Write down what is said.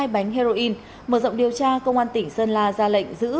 hai bánh heroin mở rộng điều tra công an tỉnh sơn la ra lệnh giữ